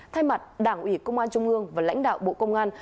thay mặt đảng ủy công an trung ương và lãnh đạo bộ công an